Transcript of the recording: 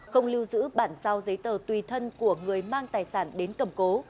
không lưu giữ bản sao giấy tờ tùy thân của người mang tài sản đến cầm cố